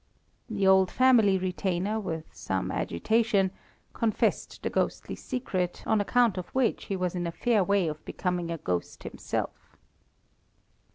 "The old family retainer, with some agitation, confessed the ghostly secret, on account of which he was in a fair way of becoming a ghost himself.